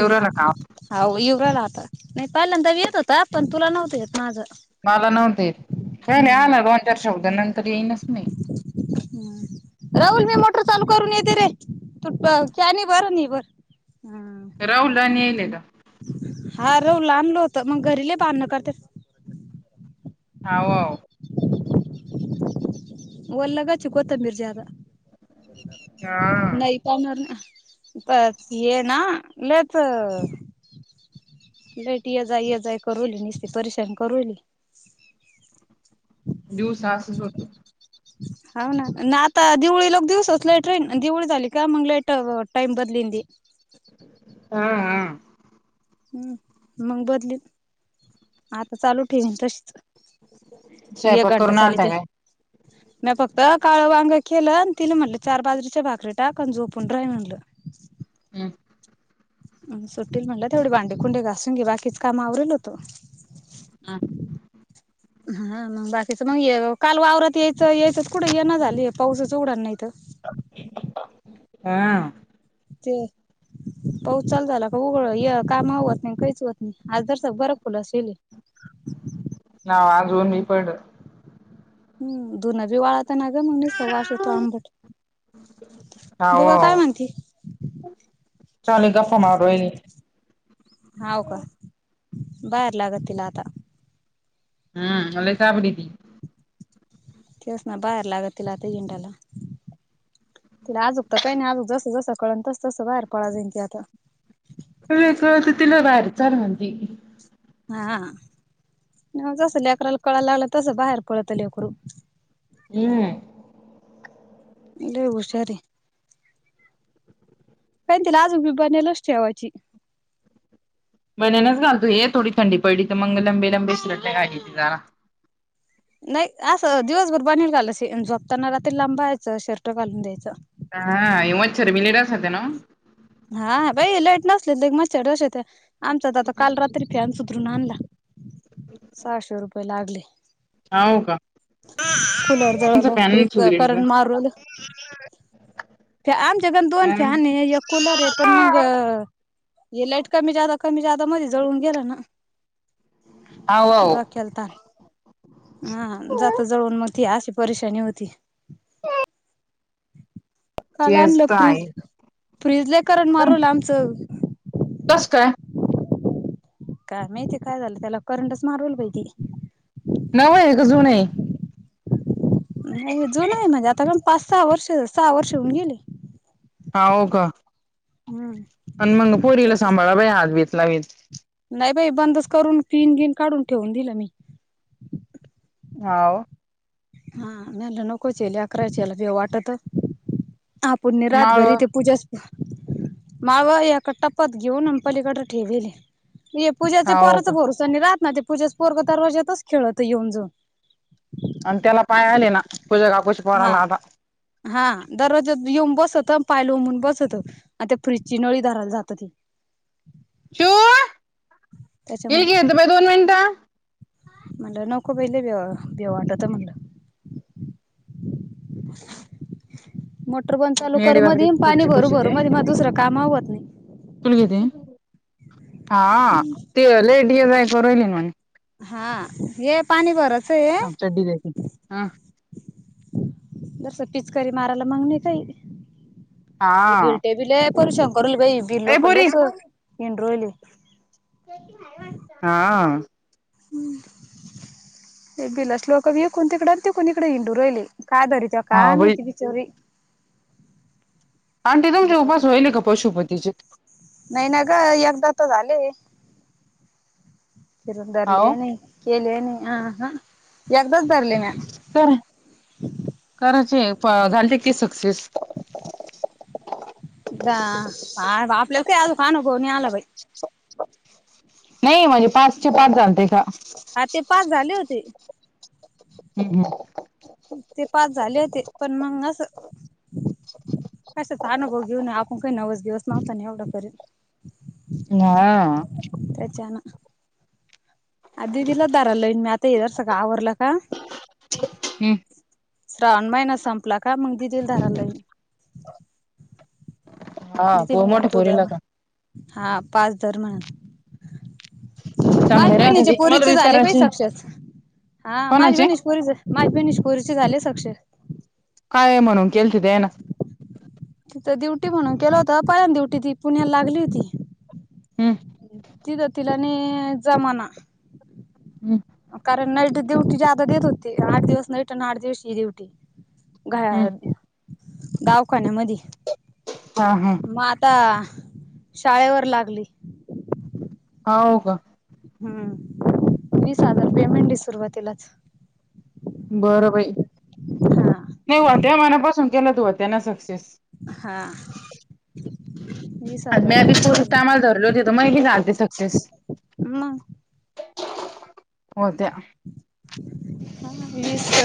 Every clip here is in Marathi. एवढ्याला का हा येऊराला आता नाही पहिल्यांदा येत होता पण तुला नव्हतं येत माझं. मला नव्हते हा. आला दोन चार शब्द नंतर येईनच मी. हमं [inaudible] राहुल मी मोटर चालू करून येते रे तू पाणी भर हे भर. हा. राहुलला नेले का हा रह लांबलो होत मग घरी लय भांडण करते. हाव. वल्लग की कोतबिंर जादा हा नाही. त्या ये ना लच. लईट ये जाई ये जाई करवली नीसती परेशान करवली. दिवसा असच होत. [inaudible] हाऊ ना ना आता दिवळीला दिवसच लाईट राहीन दिवळी झाली का मग लाईट टाईम बदलिन दे. हा हा. हम मग बदली. आता चालू ठेवान तशीच स्वयंपाक एक करून घंटा चालते. [inaudible] मी फक्त काळं वांग केलं आणि तिला म्हटलं चार बाजरीच्या भाकरी टाकण झोपून राय म्हणलं. हम. सुट्टल म्हटलं तेवढे भांडेकुंडे घासून घे बाकीच काम आवरीलल होतो. हा. हा मग बाकीच मग काल वावरात यायचं यायचंच कुठं ये ना झालीय पावसाच उडाण नाही तर. हा. च. पाऊस चालू झाला का उघळ कामा आवरत नाही काहीच होत नाही आज जर सगळ बरं खुलं असेल. ना आज होऊन मी पड. हम् धुूनं बी वाळाताना ग मग नुसता वास आंबट. हाव.. बघा काय म्हणती चाले गप्पा मारू हाव का बाहेर लागत तिला आता. हम्म आले साबडी ती. तेवस ना बाहेर लागत तुला आता हिंडायला. तिला आजूक तर काही नाही जसं जसं कळन तसंसं बाहेर पड जाईन ती आता. क कळत तिला बाहेर चाल म्हणती. हा जस लेकराला कळायला लागलं तस बाहेर पडत लेकरू. हम्म. लय हुशार हे काय तीला आजू बी बन्यनच अस ठेवायची. बन्यनच घालतो हे थोडी थंडी पडली तर मग लंबी लंबी शर्ट घालीती जरा. नाही अस दिवसभर बन्यन घाल असे झोपताना रात्री लांब बाह्या च यायचं शर्ट घालून द्यायचं. हा येव मच्छरभी ना. हा बाई लाईट नसले मच्छर [unintelligible] त्या आमचा तर आता काल रात्री फॅन सुधरून आणला सहाशे रुपये लागले. हावू का. कुलर जळाल फ्रिज करंट मारू आले. ह. त्या आमच्यात कण दोन फॅन आहे एक कुलर आहे पण मग हाव अ. हे लाईट कमी जादा कमी जादा मध्ये जळून गेलं ना. आओ आओ. केलता, हा जाता जावून मग ती अशी परेशानी होती. [inaudible] काल तेच आणलं तर फ्रीज आहे. फ्रीज लय करंट मारवला आमचं. कस काय. काय माहिती काय झालं त्याला करंटच मारवल बाई ती नव हाय का जुनं हाय? नाही जुन हाय ना ते आता कम पाच सहा वर्ष सहा वर्ष होऊन गेले. हा हो का. हम्म. आणि मग पोरीला सांभाळा बाय, अद्वितला येत नाही बाई बंदच करून, पिन गिन काढून ठेवून दिलं मी. हाव. हा यांना नकोच हाय, लेकराच्याला देऊ वाटत आपूण नाही रात माळव घरी, ते पूजा माव एका टपात घेऊन अं पलीकडे ठेविले. ये पूजाचे हाव पोराच का भरोसा नाही राहात, ते पूजाच पोरग दरवाज्यातच खेळत येऊन जाऊन. आणि त्याला पाय आले ना. पूजा कापूस हा हा दररोज येऊन बसत, पाय लांबवून बसत. आता फ्रीजची नळी धरायला जात होती. चिऊ हे त्याच्यामुळ घे, इथे बै दोन मिनिटं. म्हणलं नको बाई दिले ओ, देव वाटत म्हटलं. [inaudible] मोटर बंद चालू करू मेडी बाकडी मधी आणि पाणी फरची भरू खुशी भरू मध, मग दुसरं काम आवरणे. [unintelligible] ते, हा ते लय डियर ऐकून राहिले म्हणे. हा हे पाणी भरच हे आमच्यात दिल्याकी हा. दरस पिचकारी मारायला मागणे काही हा बिलटे बिले पर शंकरल बाई ए पोरी हा [unintelligible] [inaudible] ते दिल्यास लोक विकून तिकड आणि ती कुणीकडे हिंडून राहिली. काय बरी त्या हा काय बाई माहित बिचारी. आंटी तुमचे उपवास होईल का पशुपतीचे? नाही ना ग, एकदा तर झाली. फिरून हाव धरले नई, केले नई, आहा एकदाच धरले ना. तर. कराचे झालते की सक्सेस. जा, आपल्याला काय अजून अनुभव नाही आला बाई. नाही म्हणजे पाचचे पाच झालतेत. हा ते पाच झाले होते. [inaudible] ते पाच झाले होतेत, पण मग अस कशाच अनुभव घेऊन आपण काय नऊच दिवस लावतो आणि एवढं करीत. [unintelligible] त्याचानं आ दीदला दार लईन, मी आता येदर सगळं आवरलं का? हम्म. श्रावण महिना संपला का मग [unintelligible] हा दितील पो मोठ्या [unintelligible] तू पोरीला धर का हा पाच धर म्हण. चांगले माझ्या राहते बहिणीच्या ते मला पोरीचे बी झाले बाई करायचे सक्सेस, हा माझी कोणाचे बहिणीच्या पोरीचे माझे बहिणीचे पोरीचे झाले सक्सेस. काय म्हणून केलती त्यांनं? तिथं डुटी म्हणून केलं होत, पहिल्यांदा ड्यूटी ती पुण्याला लागली होती. हम्म. तिथ तीला ने जमना हम कारण नाईट डयुटी जादा देत होती आठ दिवस नाईट आणि आठ दिवस ही ड्युटी घा हम्म दवाखान्यामधी हा, हा म आता शाळेवर लागली हाव का हम्म वीस हजार पेमेंटे सुरुवातीलाच बरं बाई हा नाही हो त्या मनापासून केलं तू त्याना सक्सेस हा वीस आणि मी हजार आधी पोरी चालेल कामाला धरले होते तिथे मै बी झालते सक्सेस म होत्या हा इ स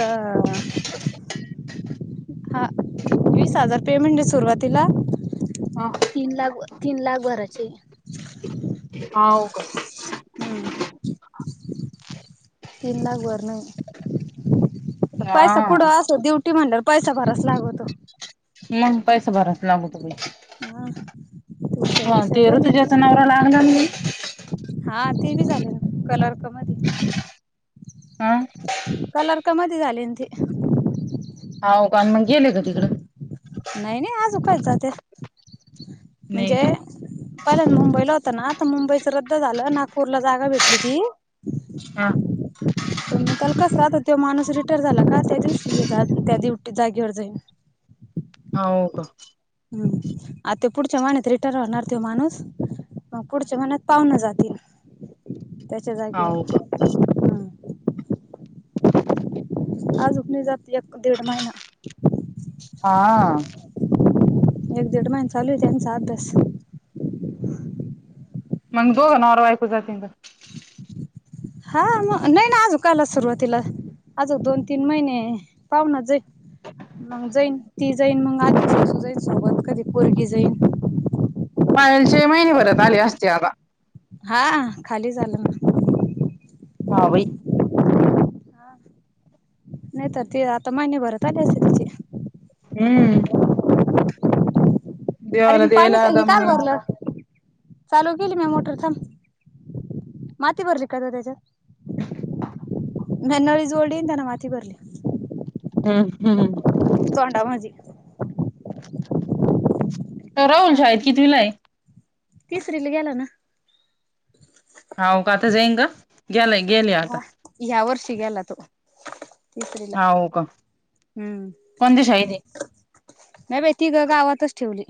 हा वीस हजार पेमेंट सुरुवातीला ह तीन लाख, तीन लाख भराचे हाव का ह तीन लाक बरण आहे पैसा हा कुठं असो ड्युटी म्हणल्या वर पैसा भराव लागवतो मग पैसा भरावच लागतो बाई हा हुशार, हा बिशार ते झालीय ऋतुजाचा ती [unintelligible] हा ते बी झाले ना कलर कमेंट हा कलर का मध झाले ते हाव का मग गेले का तिकडं नाही, नाही आजू काय जात नाही म्हणजे का पहिलान मुंबईला होतं ना तर मुंबईच रद्द झालं नागपूरला जागा भेटली ती हा त्याला कस आात तो माणूस रिटायर झाला का त्या दिवशी त्या दिव जागेवर जाईन हाव का हम्म आ ते पुढच्या महिन्यात त रिटर होणार त्यो माणूस मग पुढच्या महिन्यात पाहून जातील त्याच्या जागेवर [unintelligible] आज उकणी जात एक दीड महिना हा एक दिड महिन चालू ये त्याचा अभ्यास मग दोघ नवरा बायको जतिन का हा मग नाही ना आजू काला सुरुवातीला आजो दोन, तीन महिने पाहना जाई मग जाईन ती जाईन मग आज्जीसासू जाईन सोबत कधी पोरगी जाईन पायलचे महिनेभरात आले असते आता हा खाली झालं ना हा बाई नाहीत ते आता महिने भरत आले असे तिचे हम्म अरे देवाला मी द्यायला पाणी दम काल नाही भरलं चालू केली मी मोटर थांब माात बरली का रे त्याच्यात नय नळी जोडी त्याने वाती भरली हम्म हम् तथोंडा म्हजी. रिकामे राहुल काम शाळेत कितवीला आहे तिसरीला गेला ना. हावू का आता जाईन ग गेला गेले आता. या वर्षी गेला तो. तिसरीला हा हो का? हम्म कोणते शाळेत आहे. नाही बाई ती ग गावातच ठेवली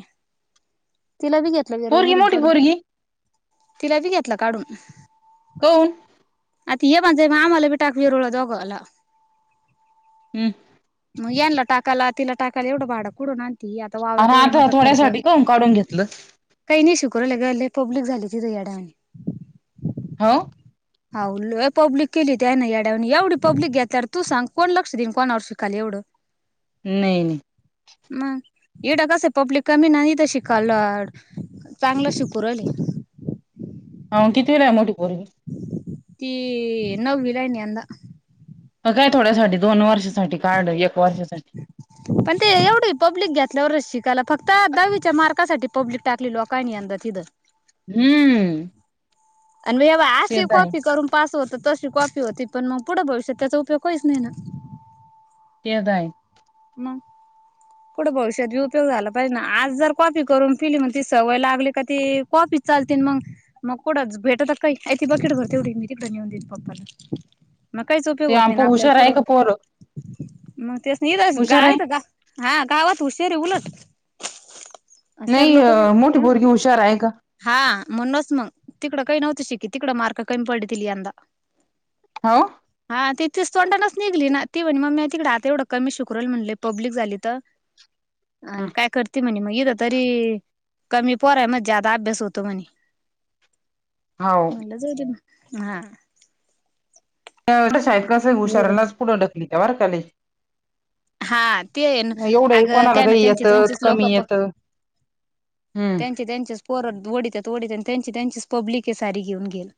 तिला बी घेतलं [unintelligible] पोरगी मधून मोठी काढून. पोरगी तिला बी घेतलं काढून. कोण? अ ती हे बण जा म आम्हाला बी टाक बीरळोला टाक हम्म. मग यांनला टाका ला तिला टाकायला एवढं भाडं कुठून आण आणि हात थोड्यासाठी का काढून घेतलं. काही नाही शिकून लागललय पब्लिक झाली तिथे याडा आणि. हो.. हा लय पब्लिक केली त्या ना याड्या एवढी पब्लिक घेतल्यावर तू सांग कोण लक्ष देईन कोणावर शिकाल एवढं. नाही नाही. मग एडाक कस पब्लिक कमी नाथ शिकाल्लोड. चांगलं शिकून राहीली. ह कितवीला आहे मोठी पोरगी. [inaudible] ती नववीला यंदा ह काय थोड्यासाठी दोन वर्षासाठी काढलं एक वर्षासाठी. पण ते एवढी पब्लिक घेतातल्यावरच शिकायला फक्त दहावीच्या मार्कासाठी पब्लिक टाकली लोकांनी यंदा तिथं. हम्म. आणिव ते अशी तर आहे कॉफी करून पास होत तशी कॉफी होती पण मग पुढं भविष्यात त्याचा उपयोग काहीच नाही ना. तेद आहे. मग. कुठं भविष्यात उपयोग झाला पाहिजे ना आज जर कॉपी करून फिली म्हण ती सवय लागली का ती कॉपी. चालते मग मग कोडंच भेटतात काही ते बकेट भर तेवढी मी तिकडे नेऊन देेत पप्पाला. [inaudible] म काय चोप ते आमप हुशार आहे का पोरं. मग तेच नाही आहे गाईत गा हा गावात हुशार आहे उलट. सर नाही लोक मोठी पोरगी हुशार आहे का. हा.. म्हणूनच मग तिकडं काही नव्हत शिकी तिकडं मार्क कमी पडतील यंदा. हो. हा ती तिच तोंडानच निघली ना ती म्हटली मम्मी तिकडे आता तेवढं कमी शिकू कूरल म्हटले पब्लिक झाली तर आण काय कर ते म्हणे मग इथ तरी कमी पोराय मग जादा अभ्यास होतो म्हणे. हो म्हणला जाऊ दे मग हा. शाळेत कस एवढं हुशारलाच पुढे ढकली त्या बर लई हा ते आहे ना. अ एवढं अगं कोणाला त्यांना काही त्यांची येतं त्यांचीच लोक कमी प येत हम्म. त्यांचे त्यांचेच पोर ओढीत ओढीत आणि त्यांची त्यांचीच पब्लिके सारी घेऊन गेल.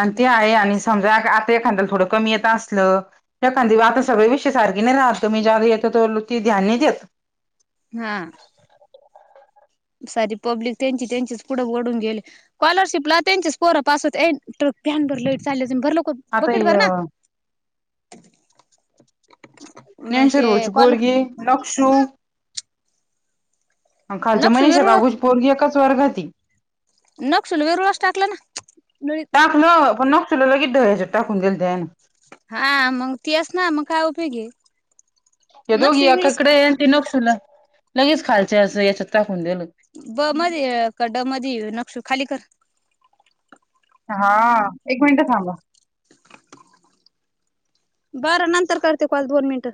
आणि ते आहे आणि समजा आता एकखादयाला थोडं कमी येत असलं. एखाद्या वेळी आता सगळे विषय सारखी नाही राहत मी ज्या येतो ती ध्यान नाही देत. हा. [inaudible] सारी पब्लिक त्यांची, त्यांचीच पुढ बडून गेले. स्कॉलरशिपला त्यांचेच पोरा पास होत ये कॅन भर लाईट चाल्या भर लवकर कप आता बकेट भर ना. [unintelligible] मग ह्यांचा ते रोच कॉल पोरगी आहे नक्षू. अ खालच्या लक्ष मनीषा वेरूळ काकू पोरगी एकाच वर्गाती. नक्षल वेरूळच टाकलं ना नळीत टाकलं पण तुला लगेच ढ हेज्यात टाकून दिलं त्याने. हा हा मंग तेच ना मंग काय उपयोग आहे. हे नक्षू दोघी इंग्लिश एकाकडे ते नखुला लगेच खालचंय असं याच्यात टाकून देलं. ब मध्ये आहे का ड मध्ये नक्षु खाली कर. हा एक मिंट थांबा. बरं नंतर करते कॉल दोन मिंट.